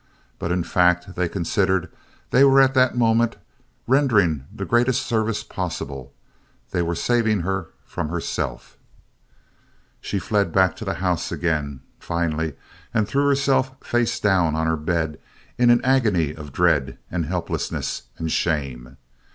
But in fact they considered they were at that moment rendering the greatest service possible. They were saving her from herself. She fled back to the house again, finally, and threw herself face down on her bed in an agony of dread, and helplessness, and shame.